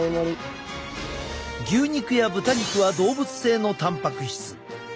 牛肉や豚肉は動物性のたんぱく質。